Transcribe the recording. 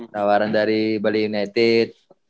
tawaran dari bali united